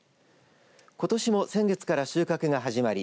ことしも先月から収穫が始まり